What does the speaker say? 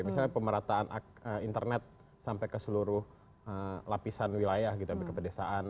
misalnya pemerataan internet sampai ke seluruh lapisan wilayah gitu sampai ke pedesaan